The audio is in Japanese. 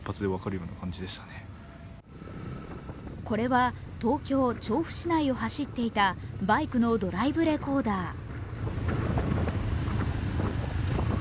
これは東京・調布市内を走っていたバイクのドライブレコーダー。